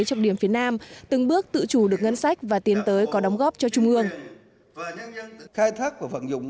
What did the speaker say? trọng điểm phía nam từng bước tự chủ được ngân sách và tiến tới có đóng góp cho trung ương